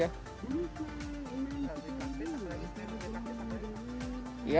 ya pokoknya lebih gampang lah kita gininya